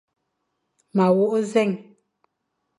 Ma wôkh nzèn.